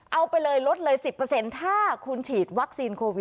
เอาไปเลยลดเลย๑๐ถ้าคุณฉีดวัคซีนโควิด